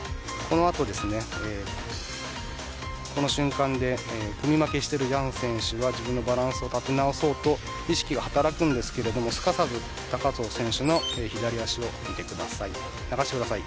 この瞬間で組み負けしているヤン選手が自分のバランスを立て直そうと意識が働きますがすかさず高藤選手の左足を見てください。